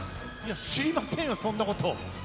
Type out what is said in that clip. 知りませんよ、そんなの。